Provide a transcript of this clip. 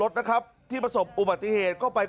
ใส่เครียมขาดไหมขาดเบลล์ไหม